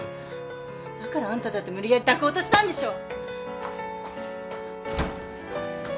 だからあんただって無理やり抱こうとしたんでしょ！